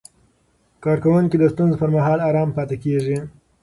کارکوونکي د ستونزو پر مهال آرام پاتې کېږي.